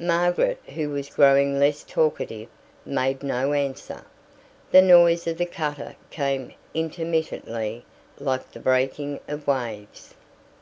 Margaret, who was growing less talkative, made no answer. The noise of the cutter came intermittently, like the breaking of waves.